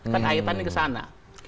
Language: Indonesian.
kan aitan ini kesana